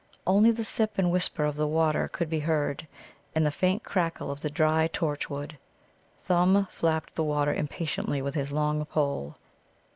Only the sip and whisper of the water could be heard, and the faint crackle of the dry torch wood. Thumb flapped the water impatiently with his long pole.